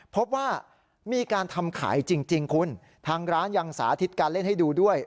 พบว่ามีการทำขายจริงคุณทางร้านยังสาธิตการเล่นให้ดูด้วย